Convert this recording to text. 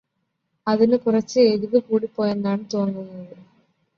അതിന് കുറച്ച് എരിവ് കൂടിപോയെന്നാണ് തോന്നുന്നത്